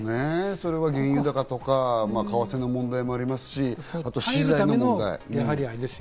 それは原油高とか為替の問題もありますし、あと資材の問題。